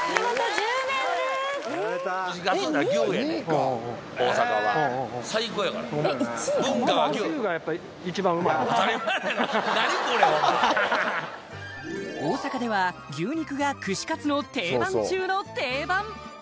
１位がまだある大阪では牛肉が串カツの定番中の定番